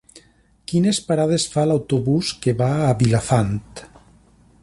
Quines parades fa l'autobús que va a Vilafant?